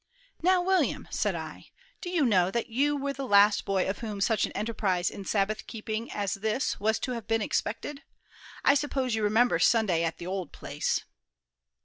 "Now, William," said I, "do you know that you were the last boy of whom such an enterprise in Sabbath keeping as this was to have been expected? I suppose you remember Sunday at 'the old place'?"